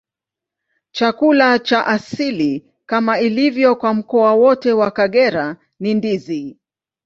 Chakula cha asili, kama ilivyo kwa mkoa wote wa Kagera, ni ndizi.